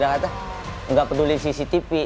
kita kata enggak peduli cctv